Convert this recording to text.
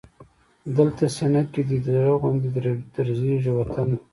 دلته سینه کې دی د زړه غوندې درزېږي وطن